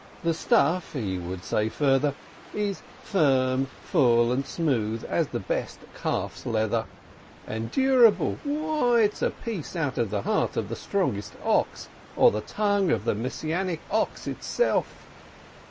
The stuff — he would say further — is firm, full, and smooth as the best calf's leather. And durable? Why, it's a piece out of the heart of the strongest ox, or the tongue of the Messianic ox itself!